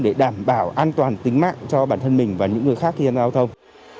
để đảm bảo an toàn tính mạng cho bản thân mình và những người khác khi giao thông